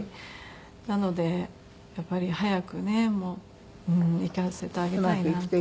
なのでやっぱり早くねもう行かせてあげたいなと。